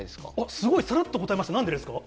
すごい、さらっと答えました、なんでですか？